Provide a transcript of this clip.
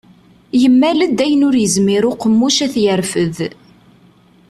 Yemmal-d ayen ur yezmir uqemmuc ad t-yerfed.